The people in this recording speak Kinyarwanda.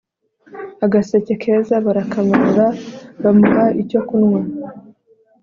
Agaseke keza barakamanura bamuha icyo kunwa